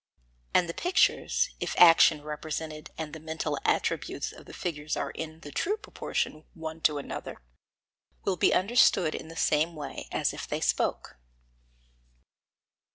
And the pictures, if the action represented and the mental attributes of the figures are in the true proportion one to another, will be understood in the same way as if they spoke.